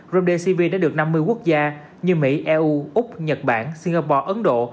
remdesivir đã được năm mươi quốc gia như mỹ eu úc nhật bản singapore ấn độ